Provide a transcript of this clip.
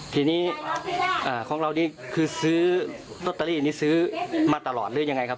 ทีนี้ของเรานี่คือซื้อลอตเตอรี่นี้ซื้อมาตลอดหรือยังไงครับ